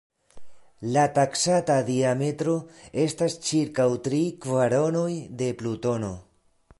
La taksata diametro estas ĉirkaŭ tri kvaronoj de Plutono.